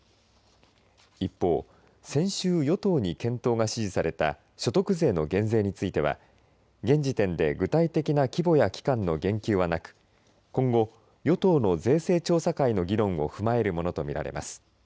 一方、先週与党に検討が指示された所得税の減税については現時点で具体的な規模や期間の言及はなく今後、与党の税制調査会の議論を踏まえるものと見られます。